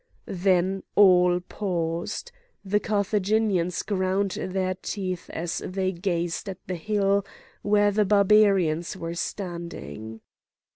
Then all paused. The Carthaginians ground their teeth as they gazed at the hill, where the Barbarians were standing.